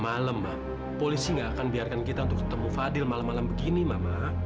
malam polisi nggak akan biarkan kita untuk ketemu fadil malam malam begini mama